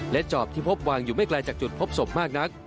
จอบที่พบวางอยู่ไม่ไกลจากจุดพบศพมากนัก